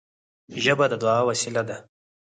ژبه د دعا وسیله ده